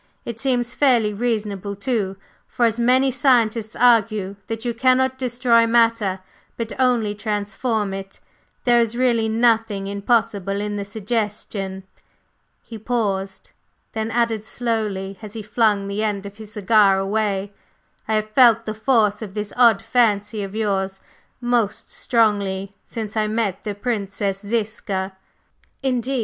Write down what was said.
It seems fairly reasonable too, for, as many scientists argue that you cannot destroy matter, but only transform it, there is really nothing impossible in the suggestion." He paused, then added slowly as he flung the end of his cigar away: "I have felt the force of this odd fancy of yours most strongly since I met the Princess Ziska." "Indeed!